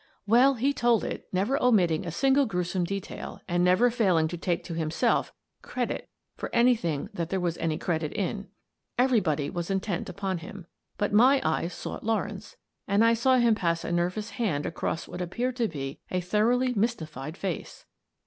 " Well, he told it, never omitting a single gruesome detail, and never failing to take to himself credit for anything that there was any credit in. Everybody was intent upon him, but my eyes sought Lawrence, and I saw him pass a nervous hand across what appeared to be a thoroughly mys tified face.